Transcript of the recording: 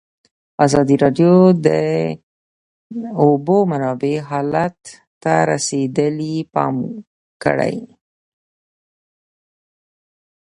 ازادي راډیو د د اوبو منابع حالت ته رسېدلي پام کړی.